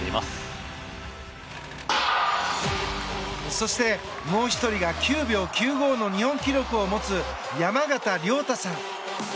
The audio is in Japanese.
そして、もう１人が９秒９５の日本記録を持つ山縣亮太さん。